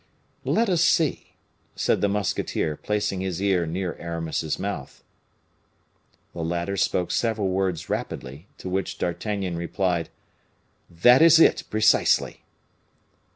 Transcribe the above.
"Let us see," said the musketeer, placing his ear near Aramis's mouth. The latter spoke several words rapidly, to which D'Artagnan replied, "That is it, precisely."